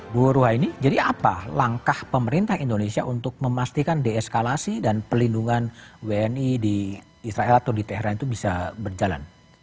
bu ruhaini jadi apa langkah pemerintah indonesia untuk memastikan deeskalasi dan pelindungan wni di israel atau di teheran itu bisa berjalan